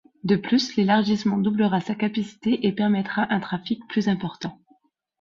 De plus, l'élargissement doublera sa capacité et permettra un trafic plus important.